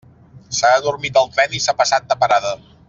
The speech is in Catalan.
S'ha adormit al tren i s'ha passat de parada.